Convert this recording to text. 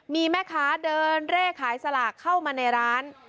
มีแม่ค้าเดินเร่ขายสลากเข้ามาในร้าน